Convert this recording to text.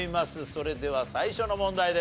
それでは最初の問題です。